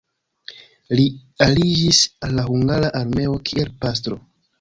Li aliĝis al la hungara armeo kiel pastro.